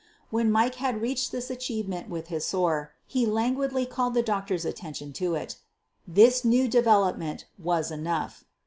When Mike had reached this achievement with his sore he lan guidly called the doctor's attention to it. This new development was enough.